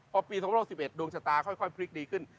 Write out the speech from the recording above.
พอปีสองพันห้าร้อยสิบเอ็ดดวงชะตาค่อยค่อยพลิกดีขึ้น